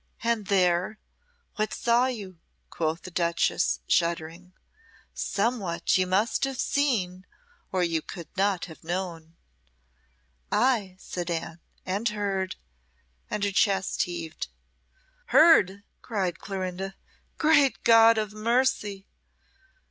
"And there what saw you?" quoth the duchess, shuddering. "Somewhat you must have seen, or you could not have known." "Ay," said Anne, "and heard!" and her chest heaved. "Heard!" cried Clorinda. "Great God of mercy!"